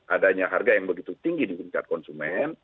adanya harga yang begitu tinggi di tingkat konsumen